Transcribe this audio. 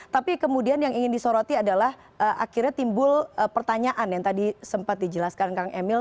tapi kemudian yang ingin disoroti adalah akhirnya timbul pertanyaan yang tadi sempat dijelaskan kang emil